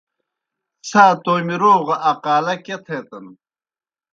څھا تومیْ روغ اقالہ کیْہ تھیتَن؟۔